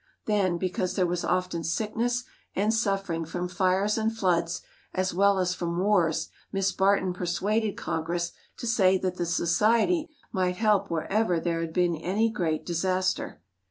Then, because there was often sickness and suffering from fires and floods, as well as from wars, Miss Barton persuaded Congress to say that the society might help wherever there had been any great disaster.